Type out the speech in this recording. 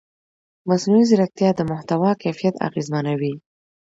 مصنوعي ځیرکتیا د محتوا کیفیت اغېزمنوي.